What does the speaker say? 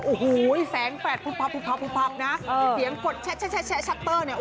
โอ้โหแสงแปดพุบพับนะเสียงกดแชชัตเตอร์เนี่ย